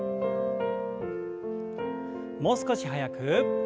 もう少し速く。